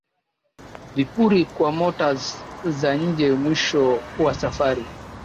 vipuri kwa motors za nje mwisho wa safari